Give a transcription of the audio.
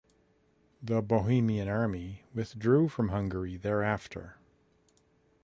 The Bohemian army withdrew from Hungary thereafter.